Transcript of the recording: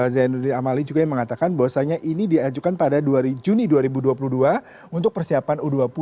zainuddin amali juga yang mengatakan bahwasannya ini diajukan pada juni dua ribu dua puluh dua untuk persiapan u dua puluh